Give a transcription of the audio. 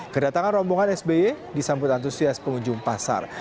kedatangan rombongan sby disambut antusias pengunjung pasar